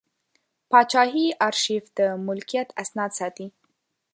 پاچاهي ارشیف د ملکیت اسناد ساتي.